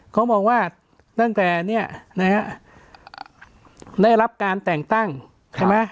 เขาบอกว่าตั้งแต่เนี่ยนะฮะได้รับการแต่งตั้งใช่ไหม